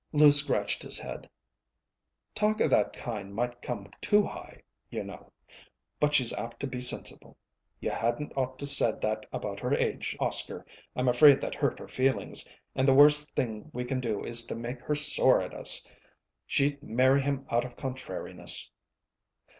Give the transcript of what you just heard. Lou scratched his head. "Talk of that kind might come too high, you know; but she's apt to be sensible. You hadn't ought to said that about her age, though, Oscar. I'm afraid that hurt her feelings; and the worst thing we can do is to make her sore at us. She'd marry him out of contrariness."